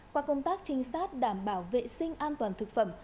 qua công tác trinh sát đảm bảo vệ sinh an toàn thực phẩm